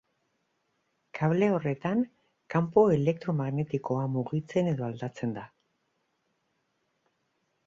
Kable horretan kanpo elektromagnetikoa mugitzen edo aldtzen da da.